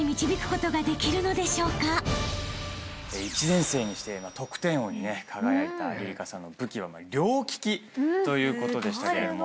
１年生にして得点王に輝いたりりかさんの武器は両利きということでしたけれども。